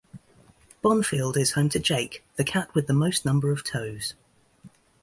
Bonfield is home to 'Jake' the cat with the most number of toes.